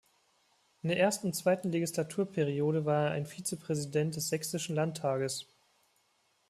In der ersten und zweiten Legislaturperiode war er ein Vizepräsident des Sächsischen Landtages.